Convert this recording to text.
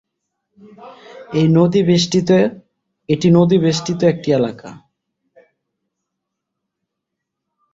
এটি নদী বেষ্টিত একটি এলাকা।